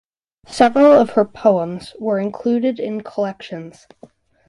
Several of her poems were included in collections.